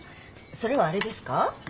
それはあれですか？